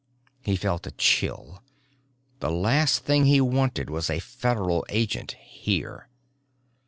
He felt a chill. The last thing he wanted was a Federal agent here.